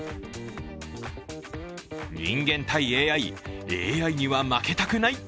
人間対ＡＩ、ＡＩには負けたくない！